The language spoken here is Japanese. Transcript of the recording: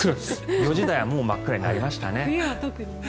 ４時台はもう真っ暗になりましたね。